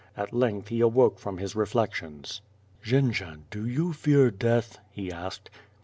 At length he awoke from his reflections. "Jendzian, do you fear death?" he asked.